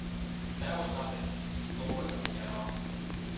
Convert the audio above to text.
That was nothing — oh, but nothing at all.